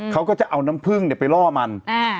เขาก็จะเอาน้ำพึ่งไปล่อมัน